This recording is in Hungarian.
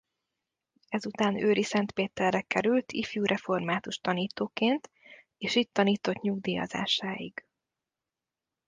Ezután Őriszentpéterre került ifjú református tanítóként és itt tanított nyugdíjazásáig.